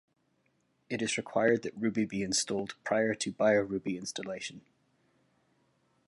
It is required that Ruby be installed prior to BioRuby installation.